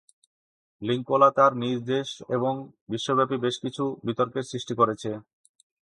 Linkola তার নিজ দেশ এবং বিশ্বব্যাপী বেশ কিছু বিতর্কের সৃষ্টি করেছে।